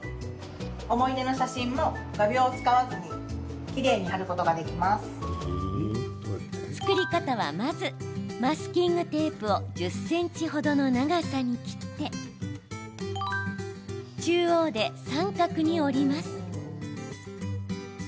思い出の写真も作り方は、まずマスキングテープを１０ｃｍ程の長さに切って中央で三角に折ります。